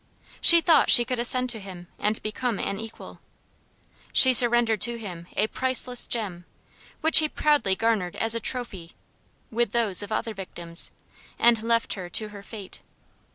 She thought she could ascend to him and become an equal. She surrendered to him a priceless gem, which he proudly garnered as a trophy, with those of other victims, and left her to her fate.